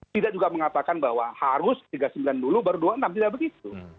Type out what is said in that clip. tidak juga mengatakan bahwa harus tiga puluh sembilan dulu baru dua puluh enam tidak begitu